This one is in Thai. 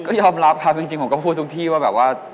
ก็ยอมรับครับจริงผมก็พูดทุกที่ว่าแบบว่า